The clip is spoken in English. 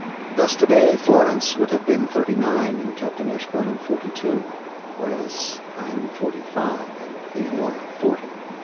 Thus today Florence would have been thirty nine and Captain Ashburnham forty two; whereas I am forty five and Leonora forty.